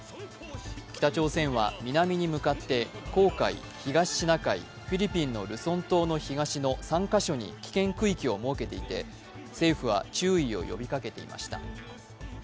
北朝鮮は南に向かって黄海、東シナ海、フィリピンのルソン島の東の３か所に危険区域を設けていて、政府は注意を呼びかけていました。